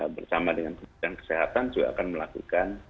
bersama dengan kementerian kesehatan juga akan melakukan